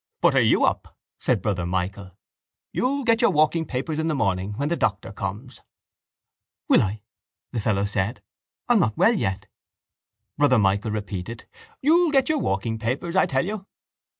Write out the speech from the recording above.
—Butter you up! said Brother Michael. You'll get your walking papers in the morning when the doctor comes. —Will I? the fellow said. I'm not well yet. Brother Michael repeated: —You'll get your walking papers. I tell you.